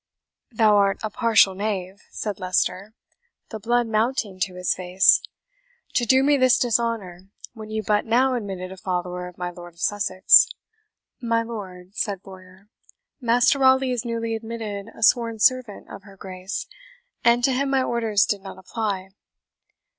"Thou art a partial knave," said Leicester, the blood mounting to his face, "to do me this dishonour, when you but now admitted a follower of my Lord of Sussex." "My lord," said Bowyer, "Master Raleigh is newly admitted a sworn servant of her Grace, and to him my orders did not apply."